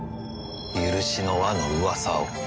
許しの輪の噂を。